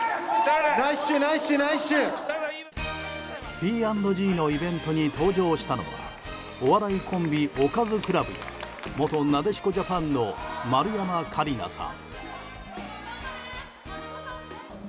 Ｐ＆Ｇのイベントに登場したのはお笑いコンビ、おかずクラブや元なでしこジャパンの丸山桂里奈さん。